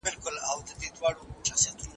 کېدای سي زده کړه ستونزي ولري